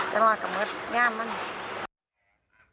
แต่ว่ากับเมล็ดแย่งดูร้อน